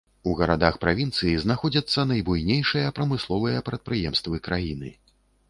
У гарадах правінцыі знаходзяцца найбуйнейшыя прамысловыя прадпрыемствы краіны.